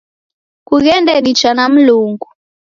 Kughende nicha na Mlungu